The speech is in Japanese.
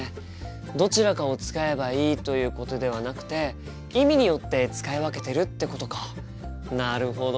どちらかを使えばいいということではなくて意味によって使い分けてるってことかなるほど。